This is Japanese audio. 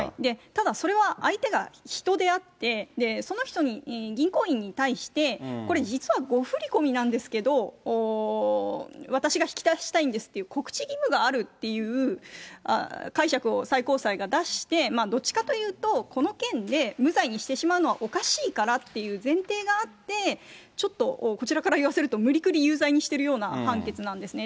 ただそれは相手が人であって、その人に、銀行員に対して、これ、実は誤振り込みなんですけど、私が引き出したいんですっていう告知義務があるっていう解釈を最高裁が出して、どっちかというと、この件で無罪にしてしまうのはおかしいからっていう前提があって、ちょっとこちらから言わせると、無理くり有罪にしてるような判決なんですね。